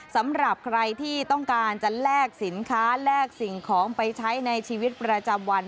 สำหรับใครที่ต้องการจะแลกสินค้าแลกสิ่งของไปใช้ในชีวิตประจำวัน